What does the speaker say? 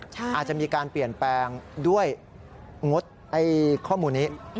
อาจจะมีการเปลี่ยนแปลงด้วยงดข้อมูลนี้